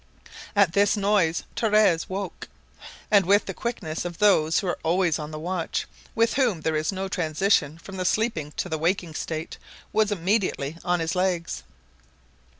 At this noise Torres woke, and with the quickness of those who are always on the watch, with whom there is no transition from the sleeping to the waking state, was immediately on his legs.